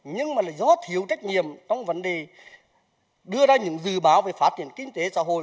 nhưng mà do thiếu trách nhiệm trong vấn đề đưa ra những dự báo về phát triển kinh tế xã hội